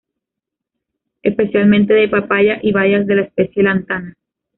Especialmente de papaya y bayas de la especie "Lantana".